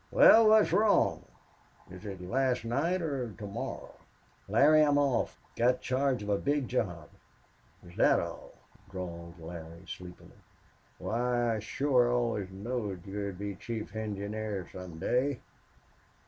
"Wal, what's wrong? Is it last night or to morrow?" "Larry, I'm off. Got charge of a big job." "Is thet all?" drawled Larry, sleepily. "Why, shore I always knowed you'd be chief engineer some day."